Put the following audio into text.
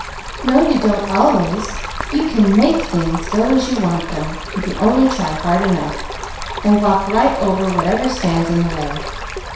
"No you don't, always; you can make things go as you want them, if you only try hard enough, and walk right over whatever stands in the way.